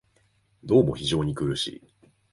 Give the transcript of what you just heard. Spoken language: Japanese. どうも非常に苦しい